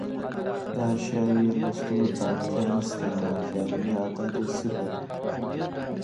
د اعشاریې لوستلو ته اړتیا نه شته او اعشاریه عدد یې صفر وي.